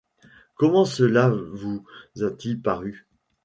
Comment cela vous a-t-il paru ?